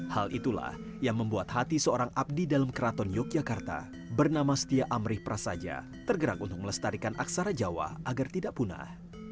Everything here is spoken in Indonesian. hal itulah yang membuat hati seorang abdi dalam keraton yogyakarta bernama setia amrih prasaja tergerak untuk melestarikan aksara jawa agar tidak punah